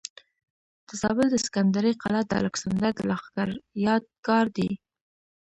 د زابل د سکندرۍ قلا د الکسندر د لښکر یادګار دی